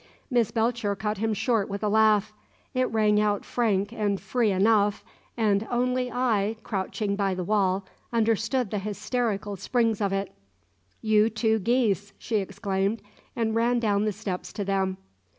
Miss Belcher cut him short with a laugh. It rang out frank and free enough, and only I, crouching by the wall, understood the hysterical springs of it. "You two geese!" she exclaimed, and ran down the steps to them.